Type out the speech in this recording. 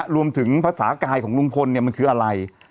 รวมถึงภาษากายของลุงพลมันคืออะไร